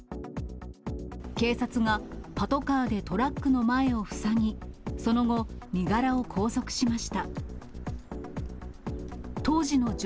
警察がパトカーでトラックの前を塞ぎ、その後、身柄を拘束しました。